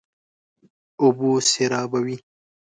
اوبه سېرابوي.